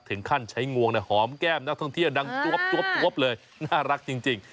ถึงขั้นใช้งวงหอมแก้มนักท่องเที่ยวดังจวบเลยน่ารักจริง